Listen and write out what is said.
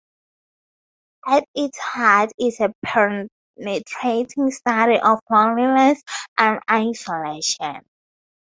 At its heart is a penetrating study of loneliness and isolation.